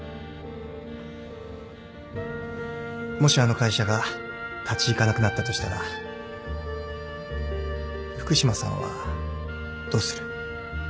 もしあの会社が立ち行かなくなったとしたら福島さんはどうする？